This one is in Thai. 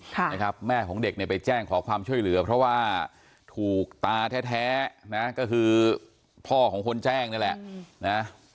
ค่ะนะครับแม่ของเด็กเนี่ยไปแจ้งขอความช่วยเหลือเพราะว่าถูกตาแท้แท้นะก็คือพ่อของคนแจ้งนี่แหละนะ